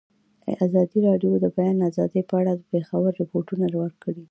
ازادي راډیو د د بیان آزادي په اړه د پېښو رپوټونه ورکړي.